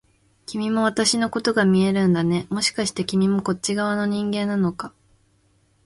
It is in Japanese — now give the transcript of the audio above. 君も私のことが見えるんだね、もしかして君もこっち側の人間なのか？